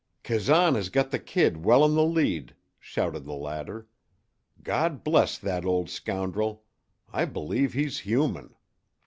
"Kazan has got the kid well in the lead," shouted the latter. "God bless that old scoundrel! I believe he's human."